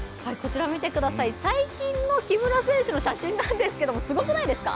最近の木村選手の写真なんですけどすごくないですか？